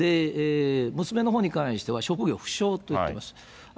娘のほうに関しては職業不詳と言ってます。